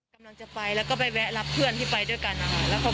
กำลังจะไปแล้วก็ไปแวะรับเพื่อนที่ไปด้วยกันนะคะ